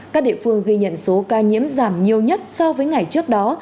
các địa phương ghi nhận số ca nhiễm giảm nhiều nhất so với ngày trước đó